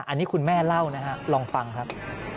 อันนี้คุณแม่เล่านะฮะลองฟังครับ